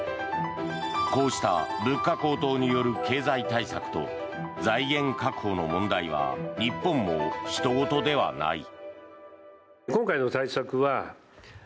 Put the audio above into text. こうした物価高騰による経済対策と財源確保の問題は日本もひと事ではない。